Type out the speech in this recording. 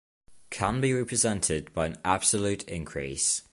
Can be represented by an 'absolute' increase.